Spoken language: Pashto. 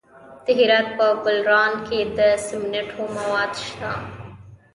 د هرات په ګلران کې د سمنټو مواد شته.